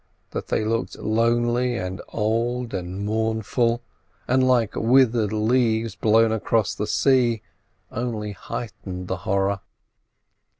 That they looked lonely and old and mournful, and like withered leaves blown across the sea, only heightened the horror.